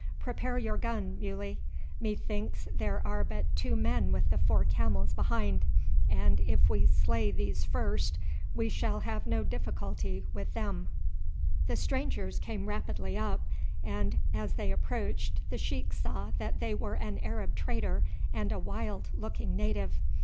Prepare your gun, Muley. Methinks there are but two men with the four camels behind, and if we slay these first we shall have no difficulty with them." [Illustration: "IT IS RUPERT'S VOICE, BUT IT CANNOT BE RUPERT!"] The strangers came rapidly up, and as they approached the sheik saw that they were an Arab trader and a wild looking native.